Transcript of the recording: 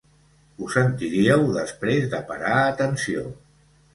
Ho sentiríeu després de parar atenció.